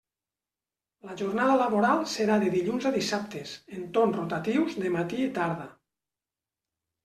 La jornada laboral serà de dilluns a dissabtes, en torn rotatius de matí i tarda.